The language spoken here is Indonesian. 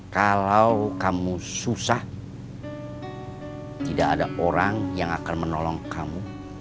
kalau kamu susah tidak ada orang yang akan menolong kamu